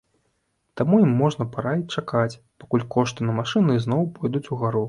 Таму ім можна параіць чакаць, пакуль кошты на машыны ізноў пойдуць у гару.